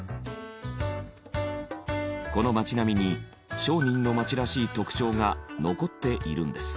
この町並みに商人の町らしい特徴が残っているんです。